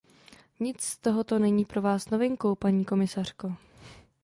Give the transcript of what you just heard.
Nic z tohoto není pro vás novinkou, paní komisařko.